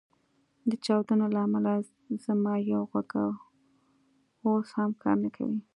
د چاودنو له امله زما یو غوږ اوس هم کار نه کوي